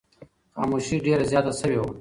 خاموشي ډېره زیاته شوې وه.